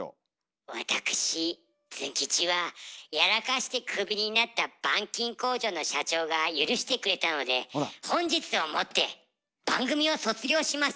わたくしズン吉はやらかしてクビになった板金工場の社長が許してくれたので本日をもって番組を卒業します。